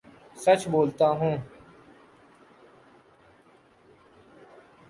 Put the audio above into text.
سچ بولتا ہوں